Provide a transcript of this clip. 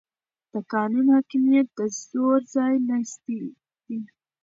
د قانون حاکمیت د زور ځای ناستی دی